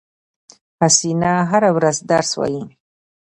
حسینه هره ورځ درس وایی